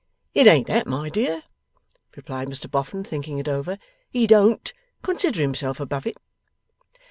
'It ain't that, my dear,' replied Mr Boffin, thinking it over. 'He don't consider himself above it.